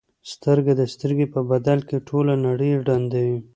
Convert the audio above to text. سترګه د سترګې په بدل کې ټوله نړۍ ړندوي.